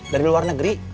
dari luar negeri